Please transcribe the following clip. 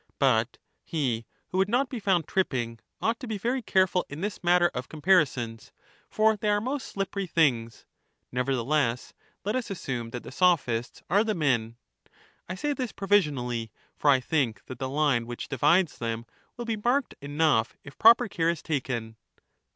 But he J^^^ who would not be found tripping ought to be very careful in Sophist this matter of comparisons, for they are most slippery things, p/^*^^ Nevertheless, let us assume that the Sophists are the men. I say this provisionally, for I think that the line which divides them will be marked enough if proper care is taken.